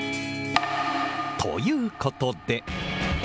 ということで。